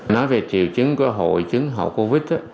nói về triệu chứng của hội chứng hậu covid